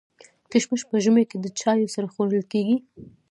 کشمش په ژمي کي د چايو سره خوړل کيږي.